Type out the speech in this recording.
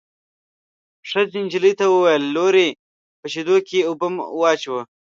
ښځې نجلۍ ته وویل: لورې په شېدو کې اوبه واچوه.